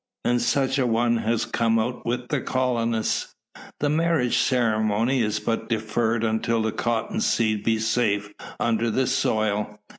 And such an one has come out with the colonists. The marriage ceremony is but deferred until the cotton seed be safe under the soil.